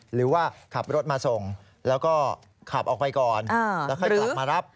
หรือว่าขับรถมาส่งแล้วก็ขับออกไปก่อนแล้วค่อยกลับมารับ